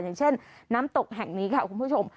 อย่างเช่นน้ำตกแห่งนี้ค่ะคุณผู้ชม